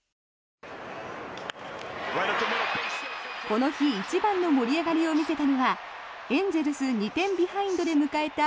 この日一番の盛り上がりを見せたのはエンゼルス２点ビハインドで迎えた